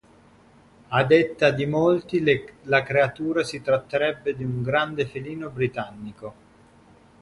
A detta di molti la creatura si tratterebbe di un grande felino britannico.